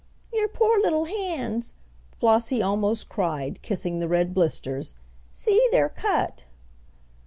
"Your poor little hands!" Flossie almost cried, kissing the red blisters. "See, they're cut!"